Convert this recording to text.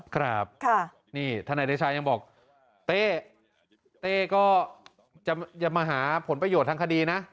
ครับนี่ทนายเดชายังบอกเต้เต้ก็จะมาหาผลประโยชน์ทางคดีนะ